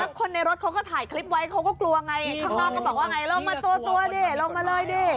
คนในรถเขาก็ถ่ายคลิปไว้เขาก็กลัวไงข้างนอกบอกว่าไงล่ะลองมาตัวเลยด่ะ